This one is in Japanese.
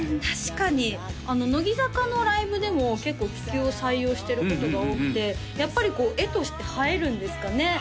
確かに乃木坂のライブでも結構気球を採用してることが多くてやっぱりこう画として映えるんですかね？